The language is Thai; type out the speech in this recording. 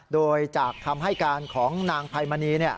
โดยจากคำให้การของนางไพมณี